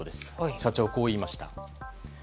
社長、こう言いました。